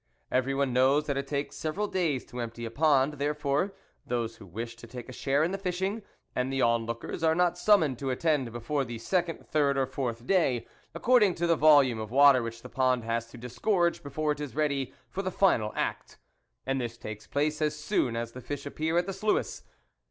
Everyone knows that it takes several days to empty a pond, therefore those who wish to take a share in the fishing, and the onlookers, are not summoned to attend before the second, third, or fourth day, according to the volume of water which the pond has to disgorge before it is ready for the final act, and this takes place as soon as the fish appear at the sluice.